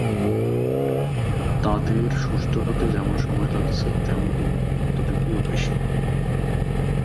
এটি এক বছরের মধ্যে দু'বার কোর্স অফার করে, জানুয়ারী থেকে ডিসেম্বর মাসে জুন সেশন এবং জুলাই-ডিসেম্বরের অধিবেশন জুনে।